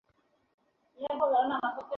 কিছুটা রহস্য রেখেছে এখানে।